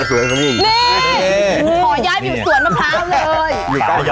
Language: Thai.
นี่ขอย้ายไปอยู่สวนมะพร้าวเลย